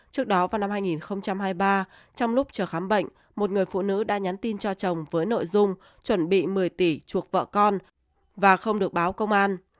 trước đó vào năm hai nghìn hai mươi ba trong lúc chờ khám bệnh một người phụ nữ đã nhắn tin cho chồng với nội dung chuẩn bị một mươi tỷ chuộc vợ con và không được báo công an